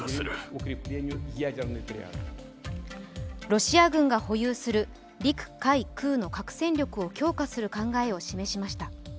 ロシア軍が保有する陸・海・空の核戦力を強化する考えを示しました。